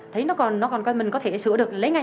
thấy nó còn có mình có thể sửa được lấy ngay